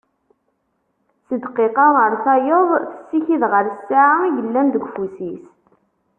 Si ddqiqa ar tayeḍ, tessikid ɣer ssaɛa i yellan deg ufus-is